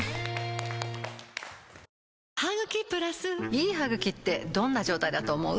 いい歯ぐきってどんな状態だと思う？